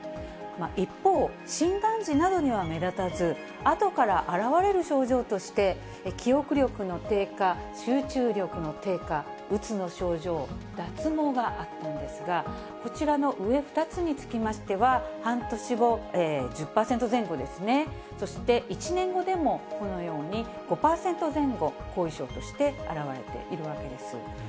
一方、診断時などには目立たず、あとから現れる症状として、記憶力の低下、集中力の低下、うつの症状、脱毛があったんですが、こちらの上２つにつきましては、半年後、１０％前後ですね、そして１年後でも、このように５％前後、後遺症として現れているわけです。